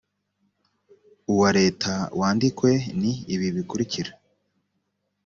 uwa leta wandikwe ni ibi bikurikira